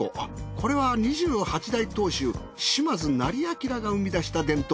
これは２８代当主島津斉彬が生み出した伝統工芸。